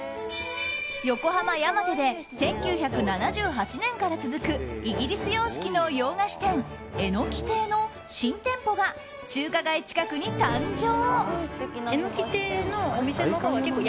横浜・山手で１９７８年から続くイギリス様式の洋菓子店えの木ていの新店舗が中華街近くに誕生。